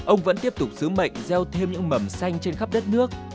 ông vẫn tiếp tục sứ mệnh gieo thêm những mầm xanh trên khắp đất nước